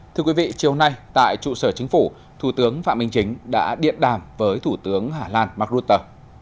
thưa quý vị chiều nay tại trụ sở chính phủ thủ tướng phạm minh chính đã điện đàm với thủ tướng hà lan mark rutte